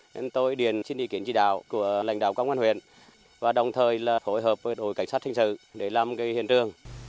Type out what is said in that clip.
nên tôi điền xin ý kiến chỉ đạo của lãnh đạo công an huyện và đồng thời là phối hợp với đội cảnh sát hình sự để làm cái hiện trường